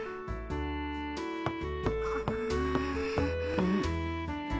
うん？